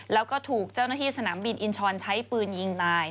แล้วก็ถูกเจ้าหน้าที่สนามบินอินชรใช้ปืนยิงตาย